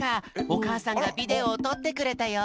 おかあさんがビデオをとってくれたよ。